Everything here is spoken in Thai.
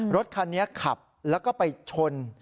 รถคันนี้ขับแล้วก็ไปชน